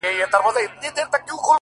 لمن دي نيسه چي په اوښكو يې در ډكه كړمه،